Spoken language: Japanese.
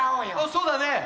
そうだね！